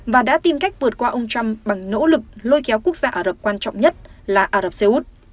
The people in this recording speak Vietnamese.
và đã tìm cách vượt qua ông trump bằng nỗ lực lôi kéo quốc gia ả rập quan trọng nhất là ả rập xê út